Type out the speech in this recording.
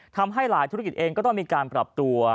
ทำให้หลายธุรกิจเองก็ต้องมีการปรับตัว